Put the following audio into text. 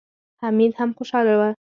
حميد هم خوشاله و.